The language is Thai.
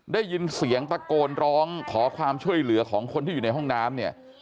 ได้ยินเสียงตะโกนร้องขอความช่วยเหลือของคนที่อยู่ในห้องน้ำเนี่ย